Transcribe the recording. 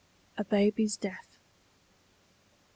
A BABY'S DEATH. I.